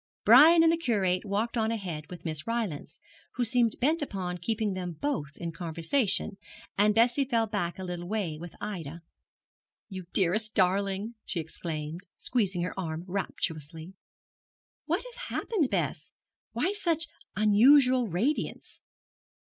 Brian and the Curate walked on ahead with Miss Rylance, who seemed bent upon keeping them both in conversation, and Bessie fell back a little way with Ida. 'You dearest darling,' she exclaimed, squeezing her arm rapturously. 'What has happened, Bess? Why such unusual radiance?'